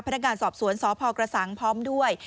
พนักงานสอบสวนสพกระสังพร้อมด้วย